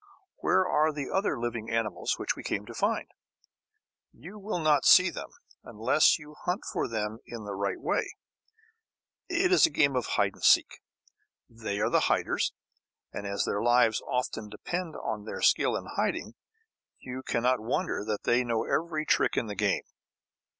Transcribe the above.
Where are the other living animals which we came to find? You will not see them unless you hunt for them in the right way. It is a game of "hide and seek." They are the "hiders"; and, as their lives often depend on their skill in hiding, you cannot wonder that they know every trick in the game.